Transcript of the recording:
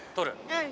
うん。